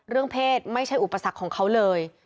เพศไม่ใช่อุปสรรคของเขาเลย